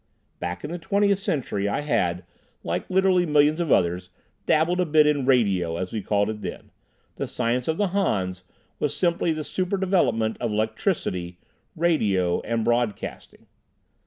Back in the Twentieth Century I had, like literally millions of others, dabbled a bit in "radio" as we called it then; the science of the Hans was simply the superdevelopment of "electricity," "radio," and "broadcasting."